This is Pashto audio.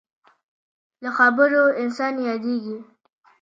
له خبرو انسان یادېږي.